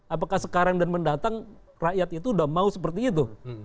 apakah sekarang dan mendatang rakyat itu udah mau seperti itu